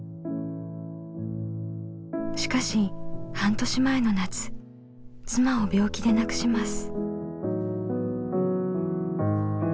しかし半年前の夏妻を病気で亡くします。